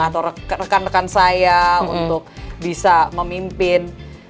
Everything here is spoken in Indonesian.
atau rekan rekan saya untuk bisa memimpin